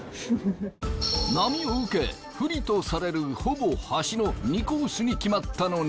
波を受け不利とされるほぼ端の２コースに決まったのに。